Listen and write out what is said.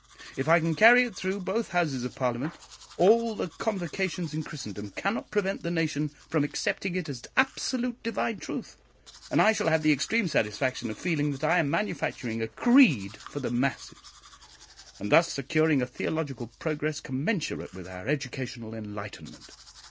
If I can carry it through both Houses of Parliament, all the convocations in Christendom cannot prevent the nation from accepting it as absolute divine truth; and I shall have the extreme satisfaction of feeling that I am manufacturing a creed for the masses, and thus securing a theological progress commensurate with our educational enlightenment.